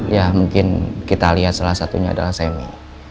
ya mungkin kita lihat salah satunya adalah semi